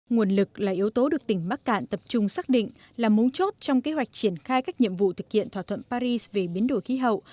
nguồn lực là yếu tố được tỉnh bắc cạn tập trung xác định là mấu chốt trong kế hoạch triển khai các nhiệm vụ thực hiện thỏa thuận paris về biến đổi khí hậu